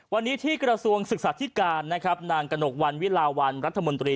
วันนี้ที่กระทรวงศึกษาธิการนะครับนางกระหนกวันวิลาวันรัฐมนตรี